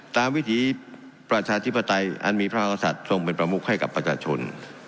วิถีประชาธิปไตยอันมีพระมศัตริย์ทรงเป็นประมุขให้กับประชาชน